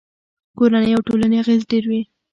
کورنیو او ټولنې اغېز ډېر و.